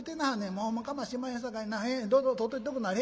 もうかましまへんさかいなどうぞ取っといておくんなはれ。